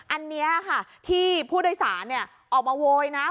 อันนี้ค่ะที่ผู้โดยสารออกมาโวยนะ